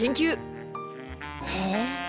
へえ。